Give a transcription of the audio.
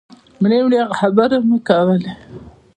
مړې مړې خبرې مو کولې.